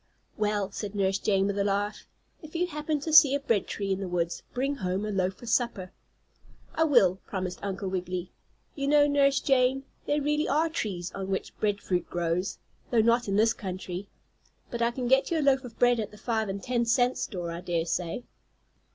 "Well," said Nurse Jane with a laugh, "if you happen to see a bread tree in the woods, bring home a loaf for supper." "I will," promised Uncle Wiggily. "You know, Nurse Jane, there really are trees on which bread fruit grows, though not in this country. But I can get you a loaf of bread at the five and ten cent store, I dare say."